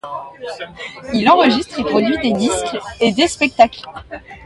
Il enregistre et produit des disques et des spectacles.